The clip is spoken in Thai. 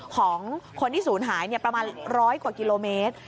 ของคนที่ศูนย์หายประมาณ๑๐๐กว่ากิโลเมตร